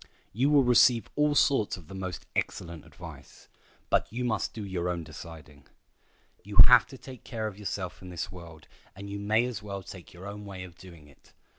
You will receive all sorts of the most excellent advice, but you must do your own deciding. You have to take care of yourself in this world, and you may as well take your own way of doing it.